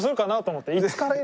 って。